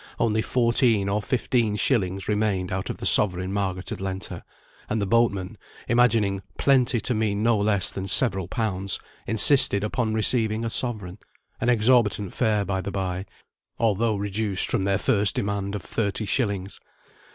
Only fourteen or fifteen shillings remained out of the sovereign Margaret had lent her, and the boatmen, imagining "plenty" to mean no less than several pounds, insisted upon receiving a sovereign (an exorbitant fare, by the bye, although reduced from their first demand of thirty shillings).